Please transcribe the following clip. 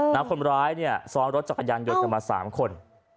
น้าคนร้ายซ้อนรถจักรยานยนต์กลับมา๓คน